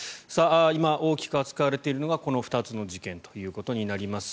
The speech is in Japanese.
今、大きく扱われているのがこの２つの事件となります。